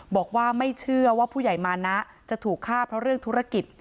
บอกว่าไม่เชื่อว่าผู้ใหญ่มานะจะถูกฆ่าเพราะเรื่องธุรกิจ